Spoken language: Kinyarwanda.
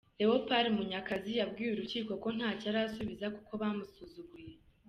Leopold Munyakazi yabwiye urukiko ko ntacyo arusubiza kuko ‘bamusuzuguye’.